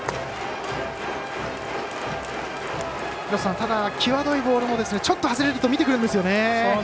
ただ、際どいボールもちょっと外れると見てくるんですよね。